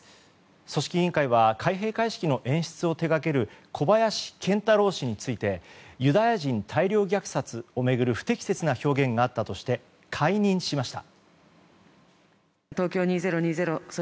組織委員会は開閉会式の演出を手掛ける小林賢太郎氏についてユダヤ人大量虐殺を巡る不適切な表現があったとして解任しました。